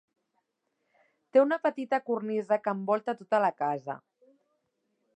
Té una petita cornisa que envolta tota la casa.